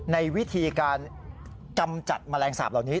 ในวิธีการกำจัดแมลงสาปเหล่านี้